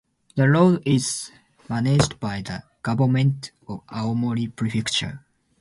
The road is managed by the government of Aomori Prefecture.